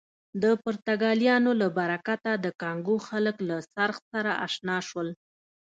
د پرتګالیانو له برکته د کانګو خلک له څرخ سره اشنا شول.